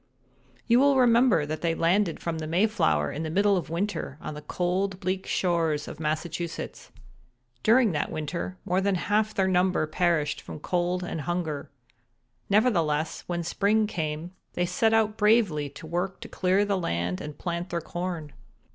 "You will remember that they landed from the Mayflower in the middle of winter on the cold bleak shores of Massachusetts. During that winter more than half their number perished from cold and hunger. Nevertheless, when spring came they set out bravely to work to clear the land and plant their corn.